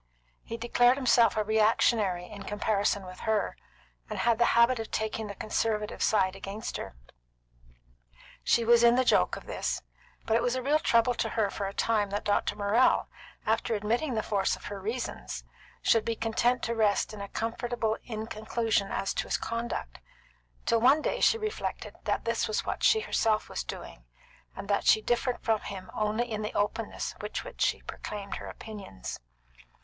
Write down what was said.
He declared himself a reactionary in comparison with her, and had the habit of taking the conservative side against her. She was in the joke of this; but it was a real trouble to her for a time that Dr. Morrell, after admitting the force of her reasons, should be content to rest in a comfortable inconclusion as to his conduct, till one day she reflected that this was what she was herself doing, and that she differed from him only in the openness with which she proclaimed her opinions.